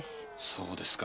そうですか。